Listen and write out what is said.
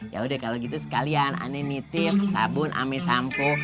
ya udah kalau gitu sekalian ane nitive sabun ame sampo